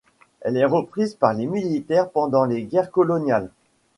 Elle est reprise par les militaires pendant les guerres coloniales.